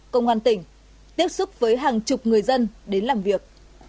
công an tỉnh tiếp xúc với hàng chục người dân đến làm việc